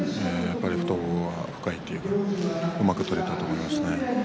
懐が深いというかねうまく取れたと思います。